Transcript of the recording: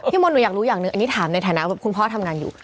มนต์หนูอยากรู้อย่างหนึ่งอันนี้ถามในฐานะว่าคุณพ่อทำงานอยู่